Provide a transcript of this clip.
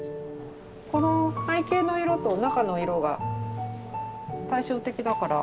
この背景の色と中の色が対照的だから。